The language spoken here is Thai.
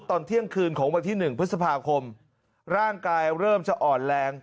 ตอนเที่ยงคืนของวันที่๑พฤษภาคมร่างกายเริ่มจะอ่อนแรง